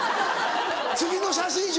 次の写真集